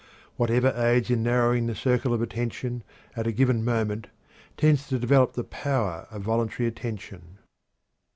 Whatever aids in narrowing the circle of attention at a given moment tends to develop the power of voluntary attention.